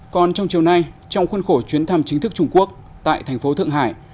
còn trong chiều nay trong khuôn khổ chuyến thăm chính thức trung quốc tại thành phố thượng hải